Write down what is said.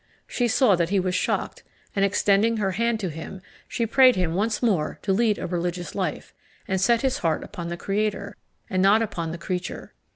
She saw that he was shocked; and, extending her hand to him, she prayed him once more to lead a religious life, and set his heart upon the Creator, and not upon the creature.